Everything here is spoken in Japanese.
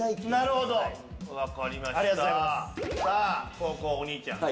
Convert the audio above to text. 後攻、お兄ちゃん。